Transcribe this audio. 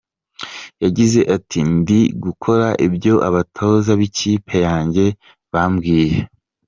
Yagize ati “Ndi gukora ibyo abatoza b’ikipe yanjye bambwiye.